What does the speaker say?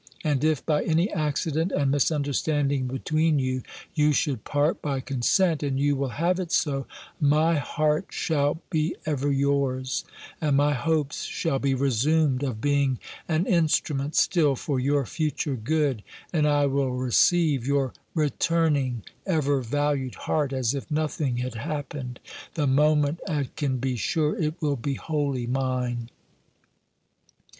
And if, by any accident, and misunderstanding between you, you should part by consent, and you will have it so, my heart shall be ever yours, and my hopes shall be resumed of being an instrument still for your future good, and I will receive your returning ever valued heart, as if nothing had happened, the moment I can be sure it will be wholly mine.